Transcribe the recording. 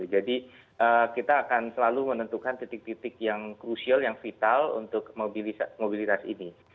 kita akan selalu menentukan titik titik yang krusial yang vital untuk mobilitas ini